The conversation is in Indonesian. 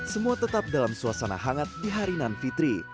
semua tetap dalam suasana hangat di hari nan fitri